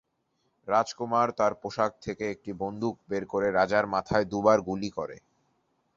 রাজকুমার তার পোশাক থেকে একটি বন্দুক বের করে রাজার মাথায় দুবার গুলি করে।